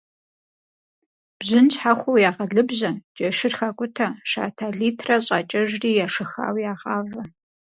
Бжьын щхьэхуэу ягъэлыбжьэ, джэшыр хакӏутэ, шатэ литрэ кӏэщӏакӏэжри ешэхауэ ягъавэ.